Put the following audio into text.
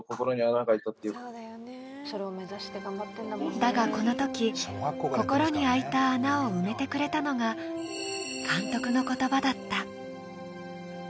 だがこのとき、心に空いた穴を埋めてくれたのが監督の言葉だった。